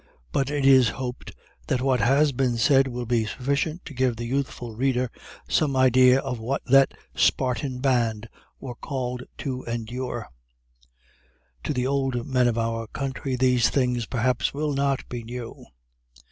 But it is hoped that what has been said will be sufficient to give the youthful reader some idea of what that "Spartan band" were called to endure. To the old men of our country these things, perhaps, will not be new.